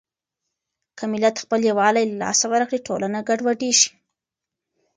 که ملت خپل يووالی له لاسه ورکړي، ټولنه ګډوډېږي.